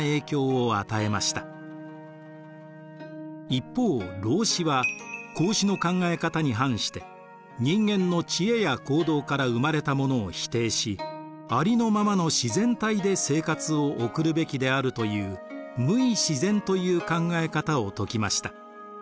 一方老子は孔子の考え方に反して人間の知恵や行動から生まれたものを否定しありのままの自然体で生活を送るべきであるという無為自然という考え方を説きました。